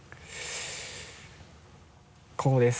ここです。